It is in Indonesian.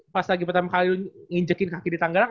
pas lagi pertama kali nginjekin kaki di tangerang